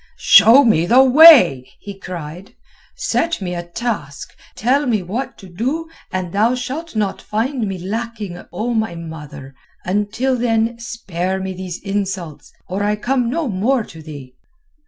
"Show me the way," he cried. "Set me a task; tell me what to do and thou shalt not find me lacking, O my mother. Until then spare me these insults, or I come no more to thee."